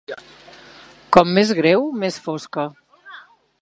Com més greu, més fosca.